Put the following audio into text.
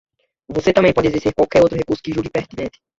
Você também pode exercer qualquer outro recurso que julgue pertinente.